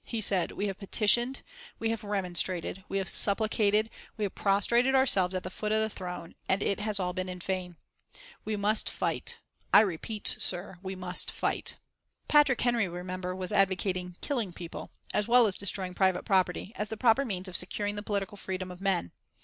He said: "We have petitioned, we have remonstrated, we have supplicated, we have prostrated ourselves at the foot of the throne, and it has all been in vain. We must fight I repeat it, sir, we must fight." Patrick Henry, remember, was advocating killing people, as well as destroying private property, as the proper means of securing the political freedom of men.